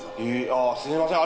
あっすいません。